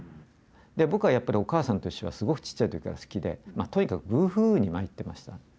で僕はやっぱり「おかあさんといっしょ」がすごくちっちゃい時から好きでとにかく「ブーフーウー」にまいってました。